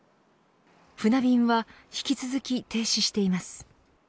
船便は引き続き停止しています。